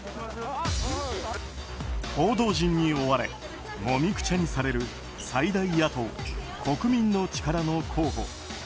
報道陣に追われもみくちゃにされる最大野党・国民の力の候補